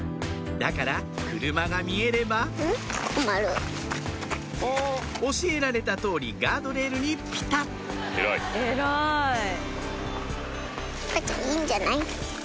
だから車が見えれば教えられた通りガードレールにピタっ偉い。